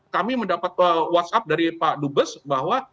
kami mendapat whatsapp dari pak dubes bahwa